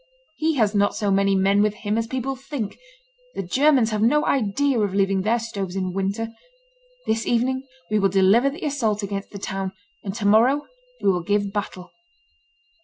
He has not so many men with him as people think; the Germans have no idea of leaving their stoves in winter. This evening we will deliver the assault against the town, and to morrow we will give battle."